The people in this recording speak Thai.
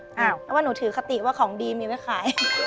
เพราะว่าหนูถือคติว่าของดีมีไว้ขาย